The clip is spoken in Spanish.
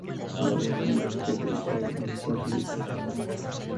El álbum "Myra" fue publicado en cuatro diferentes formatos.